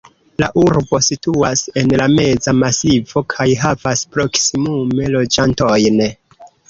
La urbo situas en la Meza Masivo kaj havas proksimume loĝantojn.